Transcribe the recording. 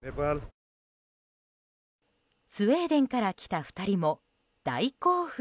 スウェーデンから来た２人も大興奮。